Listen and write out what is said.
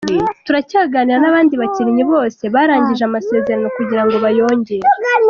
Turacyaganira n’abandi bakinnyi bose barangije amasezerano kugira ngo bayongere.